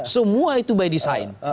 semua itu by design